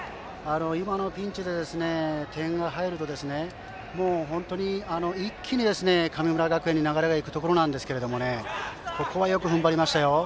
今のピンチで点が入ると、本当に一気に神村学園に流れが行くところなんですがここはよく踏ん張りましたよ。